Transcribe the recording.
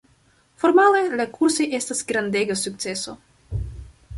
Formale, la kursoj estas grandega sukceso.